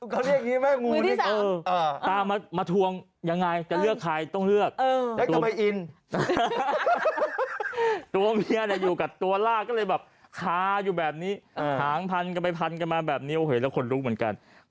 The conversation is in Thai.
ก็เรียกนี้แม่งูนึกตามมาทวงยังไงแต่เลือกใครต้องเลือกตัวเมียเนี่ยอยู่กับตัวล่าก็เลยแบบขาฮางพันกันเลยให้ไปพันมาโอเคแล้วคนลุกเหมือนกัน